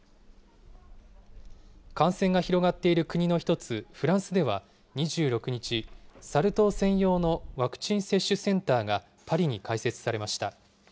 感染が広がっている国の一つ、フランスでは２６日、サル痘専用のワクチン接種センターがパリに開設されました。